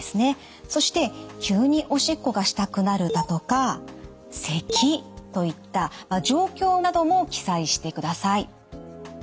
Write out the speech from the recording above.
そして「急におしっこがしたくなる」だとか「せき」といった状況なども記載してください。